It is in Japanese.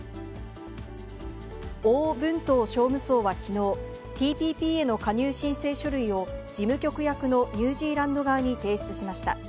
王文濤商務相はきのう、ＴＰＰへの加入申請書類を事務局役のニュージーランド側に提出しました。